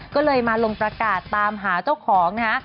ก็เลยมาลงประกาศตามหาเจ้าของนะฮะ